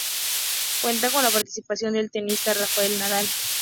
Cuenta con la participación del tenista Rafael Nadal.